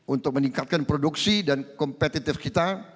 untuk meningkatkan produksi dan kompetitif kita